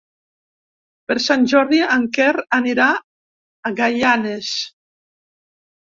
Per Sant Jordi en Quer anirà a Gaianes.